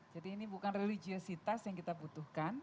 jadi ini bukan religiositas yang kita butuhkan